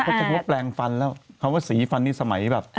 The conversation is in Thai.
คือเค้าจัดการแปลงฟันแล้วเขาว่าสีฟันนี่สมัยแบบ